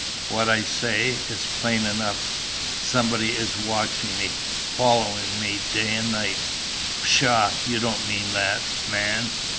"What I say. It's plain enough, somebody is watching me, following me day and night." "Pshaw! You don't mean that, man!"